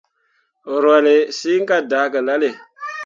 Rwahlle siŋ ka dan gelale.